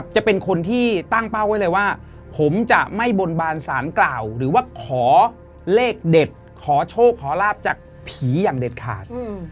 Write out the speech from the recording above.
จะเป็นคนที่ตั้งเป้าไว้เลยว่าผมจะไม่บนบานสารกล่าวหรือว่าขอเลขเด็ดขอโชคขอลาบจากผีอย่างเด็ดขาด